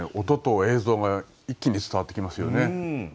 音と映像が一気に伝わってきますよね。